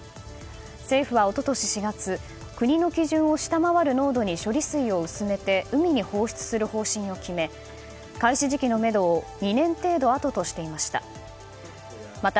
政府は一昨年４月国の基準を下回る濃度に処理水を薄めて海に放出する方針を決め開始時期のめどを２年程度あととしていました。